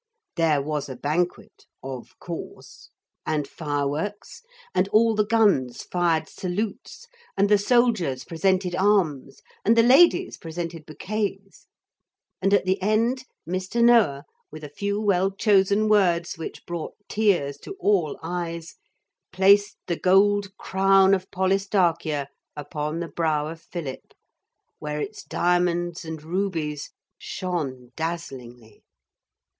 There was a banquet (of course) and fireworks, and all the guns fired salutes and the soldiers presented arms, and the ladies presented bouquets. And at the end Mr. Noah, with a few well chosen words which brought tears to all eyes, placed the gold crown of Polistarchia upon the brow of Philip, where its diamonds and rubies shone dazzlingly.